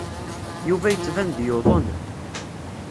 Yuba yettban-d yuḍen.